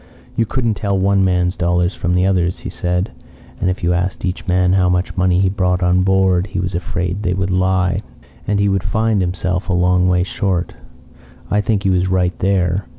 You couldn't tell one man's dollars from another's, he said, and if you asked each man how much money he brought on board he was afraid they would lie, and he would find himself a long way short. I think he was right there.